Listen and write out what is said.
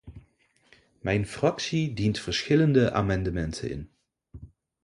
Mijn fractie dient verschillende amendementen in.